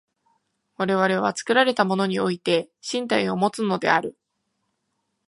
我々は作られたものにおいて身体をもつのである。